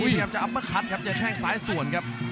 นี่ครับจะอัปเมอร์คัทครับจะแท่งสายส่วนครับ